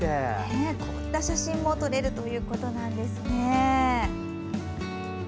こんな写真も撮れるということなんですね。